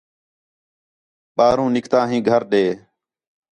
ٻِاہروں نِکتا ہیں گھر ݙے